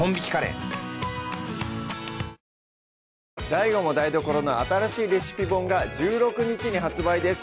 ＤＡＩＧＯも台所の新しいレシピ本が１６日に発売です